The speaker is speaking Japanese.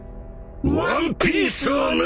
ワンピースをな！